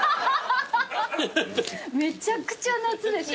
めちゃくちゃ夏でしょ？